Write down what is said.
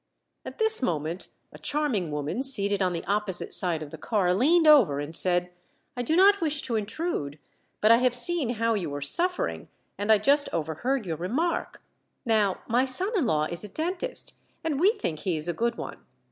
At this moment a charming woman seated on the opposite side of the car leaned over and said, "I do not wish to intrude, but I have seen how you were suffering, and I just overheard your remark. Now my son in law is a dentist, and we think he is a good one.